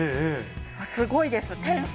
すごいです、天才。